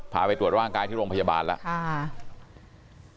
ไปตรวจร่างกายที่โรงพยาบาลแล้ว